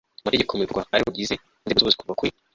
mategeko mu bikorwa, ari bo bagize inzego z'ubuyobozi kuva kuri